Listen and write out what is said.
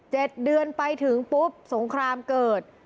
๗เดือนไปถึงปุ๊บสงครามเกิด